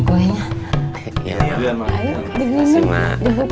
kita gak jadi pisah